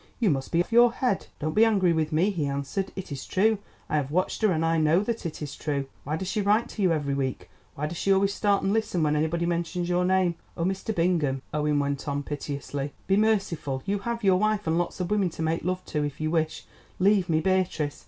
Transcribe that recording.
You must be off your head." "Don't be angry with me," he answered. "It is true. I have watched her and I know that it is true. Why does she write to you every week, why does she always start and listen when anybody mentions your name? Oh, Mr. Bingham," Owen went on piteously, "be merciful—you have your wife and lots of women to make love to if you wish—leave me Beatrice.